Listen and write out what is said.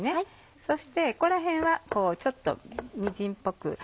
そしてここら辺はちょっとみじんっぽく。